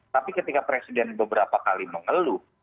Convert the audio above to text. tapi ketika presiden beberapa kali mengeluh